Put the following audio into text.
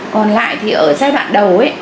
còn lại thì ở giai đoạn đầu